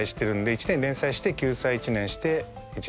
１年連載して休載１年して１年連載。